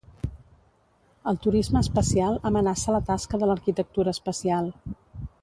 El turisme espacial amenaça la tasca de l'arquitectura espacial.